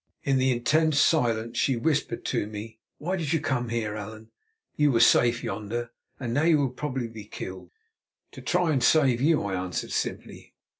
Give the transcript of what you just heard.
In the intense silence she whispered to me: "Why did you come here, Allan? You were safe yonder, and now you will probably be killed." "To try to save you," I answered simply.